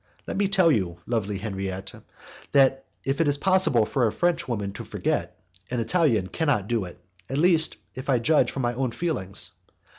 Let me tell you, lovely Henriette, that if it is possible for a Frenchman to forget, an Italian cannot do it, at least if I judge from my own feelings.